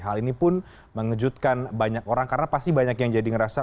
hal ini pun mengejutkan banyak orang karena pasti banyak yang jadi ngerasa